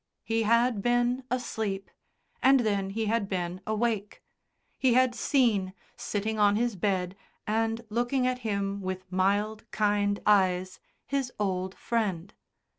He had been asleep, and then he had been awake. He had seen, sitting on his bed and looking at him with mild, kind eyes his old Friend.